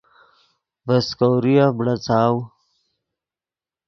ڤے سیکوریف بڑاڅاؤ